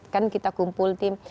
kan kita kumpul tim